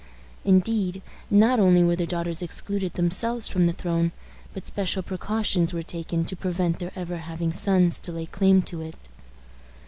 Indeed, not only were the daughters excluded themselves from the throne, but special precautions were taken to prevent their ever having sons to lay claim to it.